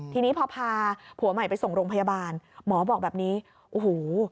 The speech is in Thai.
ทีนี้พอพาผัวใหม่ไปส่งโรงพยาบาลหมอบอกแบบนี้โอ้โห